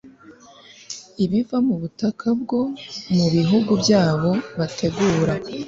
ibiva mu butaka bwo mu bihugu byabo bategura